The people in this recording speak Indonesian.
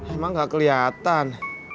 emang gak keliatan